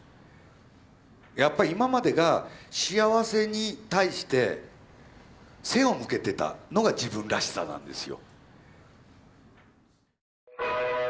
やっぱり今までが幸せに対して背を向けてたのが自分らしさなんですよ。